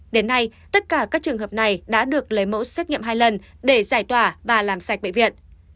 đến nay tất cả các trường hợp này đã được lấy mẫu xét nghiệm hai lần để giải tỏa và làm sạch bệnh viện